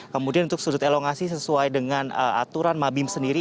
kemudian untuk sudut elongasi sesuai dengan aturan mabim sendiri